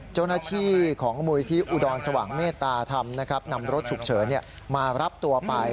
เจ้าหน้าที่ของมุยที่อุดรสว่างเมตตาทำนำรถฉุกเฉินมารับตัวไป